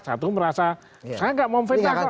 satu merasa saya gak mau fitnah